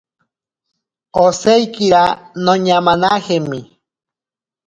Osaikira noñamanajemi.